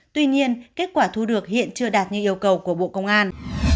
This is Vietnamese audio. tuy nhiên kết quả thu được hiện chưa đạt như yêu cầu của bộ công an